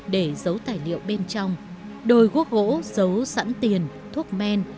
để giấu tài liệu bên trong đôi gốc gỗ giấu sẵn tiền thuốc men